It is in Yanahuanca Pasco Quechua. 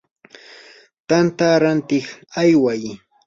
tanta rantiq ayway.